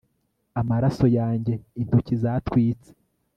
amaraso yanjye- intoki zatwitse